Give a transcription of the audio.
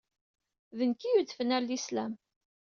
D nekk ay yudfen ɣer Lislam.